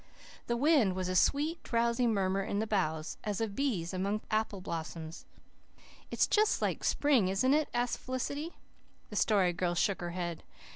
The wind made a sweet, drowsy murmur in the boughs, as of bees among apple blossoms. "It's just like spring, isn't it?" asked Felicity. The Story Girl shook her head.